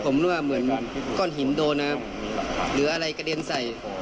ผมรู้ว่าเหมือนก้อนหินโดนนะครับหรืออะไรกระเด็นใส่